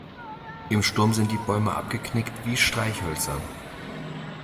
Im Sturm sind die Bäume abgeknickt wie Streichhölzer.